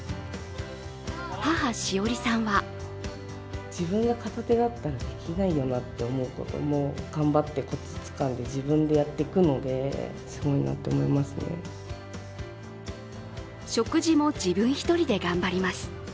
母・栞さんは食事も自分一人で頑張ります。